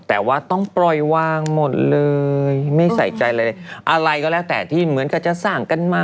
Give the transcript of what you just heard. แต่ว่าต้องปล่อยวางหมดเลยไม่ใส่ใจอะไรเลยอะไรก็แล้วแต่ที่เหมือนกับจะสร้างกันมา